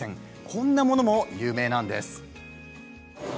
こんなものも有名です。